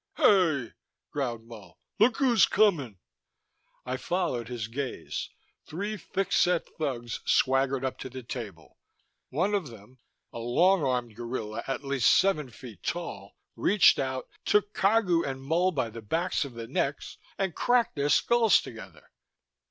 "Hey!" growled Mull. "Look who's comin'." I followed his gaze. Three thick set thugs swaggered up to the table. One of them, a long armed gorilla at least seven feet tall, reached out, took Cagu and Mull by the backs of their necks, and cracked their skulls together.